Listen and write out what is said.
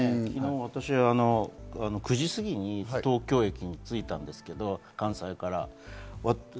昨日、私は９時過ぎに東京駅に着いたんですけど、関西から。